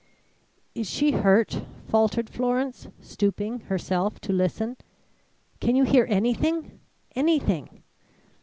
"Is she hurt?" faltered Florence, stooping, herself, to listen. "Can you hear anything anything?"